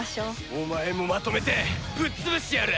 お前もまとめてぶっ潰してやる！